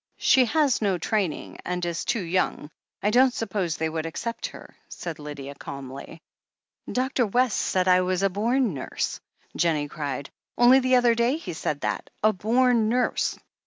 "She has no training, and is too young. I don't suppose they would accept her," said Lydia calmly. "Dr. West said I was a bom nurse!" Jennie cried. "Only the other day he said that. A bom nurse!"